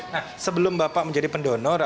nah sebelum bapak menjadi pendonor